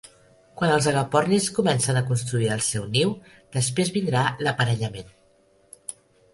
Quan els agapornis comencen a construir el seu niu, després vindrà l"aparellament.